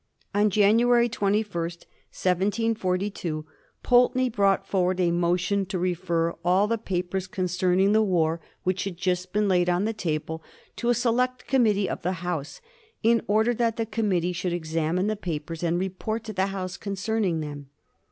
On January 21, 1 742, Pulteney brought forward a mo tion to refer all the papers concerning the war, which had just been laid on the table, to a select committee of the House, in order that the committee should examine the papers, and report to the Ho;^.se concerning them.